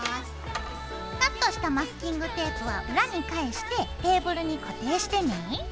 カットしたマスキングテープは裏に返してテーブルに固定してね。